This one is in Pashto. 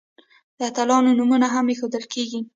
د اتلانو نومونه هم ایښودل کیږي.